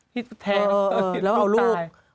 แท้ปอบตาย